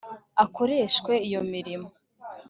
akoreshwe iyo mirimo